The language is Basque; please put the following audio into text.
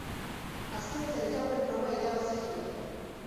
Azken sailkapen-proba irabazi zuen.